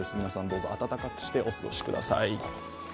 皆さんどうぞ暖かくしてお過ごしください。